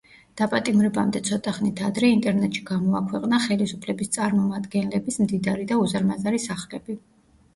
დაპატიმრებამდე ცოტა ხნით ადრე, ინტერნეტში გამოაქვეყნა ხელისუფლების წარმომადგენლების მდიდარი და უზარმაზარი სახლები.